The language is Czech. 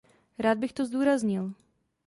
Rád bych to zdůraznil.